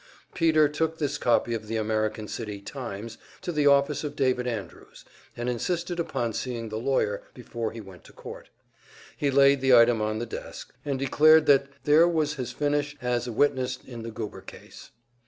Peter took this copy of the American City "Times" to the office of David Andrews, and insisted upon seeing the lawyer before he went to court; he laid the item on the desk, and declared that there was his finish as a witness in the Goober case.